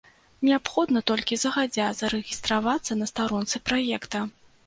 Неабходна толькі загадзя зарэгістравацца на старонцы праекта.